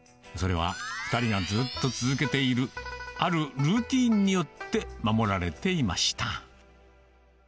それは２人がずっと続けているあるルーティーンによって守られていました。